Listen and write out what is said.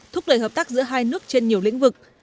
thúc đẩy hợp tác giữa hai nước trên nhiều lĩnh vực